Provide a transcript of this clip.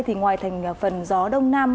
thì ngoài thành phần gió đông nam